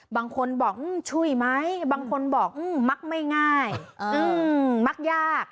บางคนบอกช่วยไหมบางคนบอกมักไม่ง่ายมักยาก